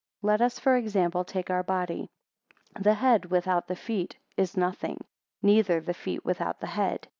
30 Let us, for example, take our body: the head without the feet is nothing, neither the feet without the head.